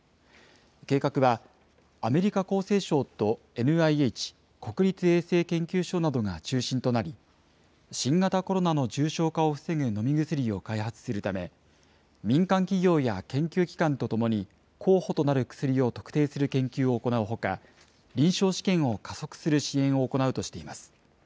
計画は、アメリカ厚生省とＮＩＨ・国立衛生研究所などが中心となり、新型コロナの重症化を防ぐ飲み薬を開発するため、民間企業や研究機関と共に、候補となる薬を特定する研究を行うほか、臨床試験を加速する支援を行うとしています。